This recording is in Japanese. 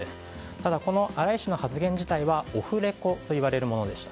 ただ、この荒井氏の発言自体はオフレコといわれるものでした。